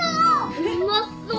うまそう。